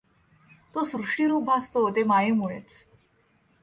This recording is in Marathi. तो सृष्टिरूप भासतो ते मायेमुळेच.